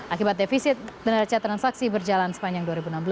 akibat defisit neraca transaksi berjalan sepanjang dua ribu enam belas